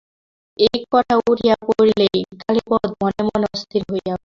এই কথা উঠিয়া পড়িলেই কালীপদ মনে মনে অস্থির হইয়া উঠিত।